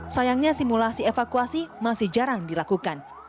sayangnya simulasi evakuasi masih jarang dilakukan